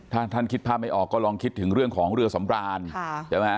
ถ้าท่านคิดภาพไม่ออกก็ลองคิดถึงเรื่องของเรือสำรานใช่ไหม